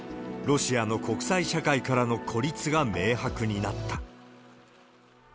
ロシアの国際社会からの孤立が明白になった。